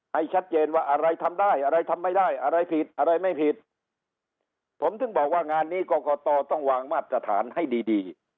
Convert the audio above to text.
ให้ชัดเจนว่าอะไรทำได้อะไรทำไม่ได้อะไรผิดอะไรไม่ผิดผมถึงบอกว่างานนี้กรกตต้องวางมาตรฐานให้ดีดี